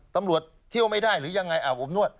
ตำรวจเที่ยวไม่ได้หรือยังไงอาบอบนวด